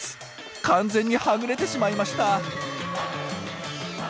完全にはぐれてしまいました。